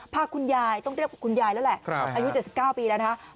พาคุณยายต้องเรียกคุณยายแล้วแหละอายุ๗๙ปีแล้วนะคะ